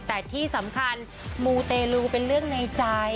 แต่ที่สำคัญมูเตลูเป็นเรื่องในใจ